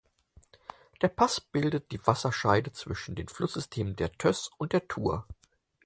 Der Pass bildet die Wasserscheide zwischen den Flusssystemen der Töss und der Thur.